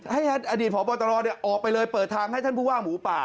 ให้อดีตพบตรออกไปเลยเปิดทางให้ท่านผู้ว่าหมูป่า